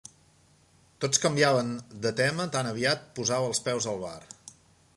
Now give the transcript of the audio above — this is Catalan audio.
Tots canviaven de tema tan aviat posava els peus al bar.